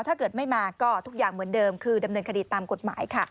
ถ้าเกิดไม่มาก็ทุกอย่างเหมือนเดิมคือดำเนินคดีตามกฎหมายค่ะ